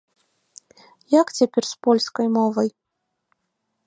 Як цяпер з польскай мовай?